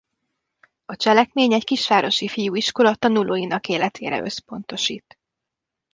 A cselekmény egy kisvárosi fiúiskola tanulóinak életére összpontosít.